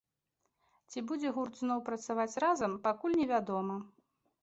Ці будзе гурт зноў працаваць разам, пакуль не вядома.